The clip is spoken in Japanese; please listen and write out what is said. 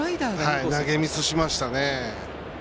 投げミスしましたね。